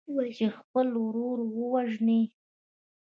چې خپل ورور ووژني.